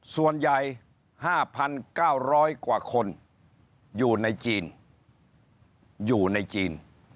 ส่วนใหญ่๕๙๐๐กว่าคนอยู่ในจีนอยู่ในจีน